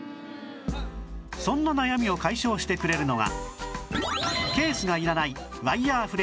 そんな悩みを解消してくれるのが